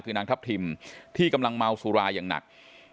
คือนางทัพทิมที่กำลังเมาสุราอย่างหนัก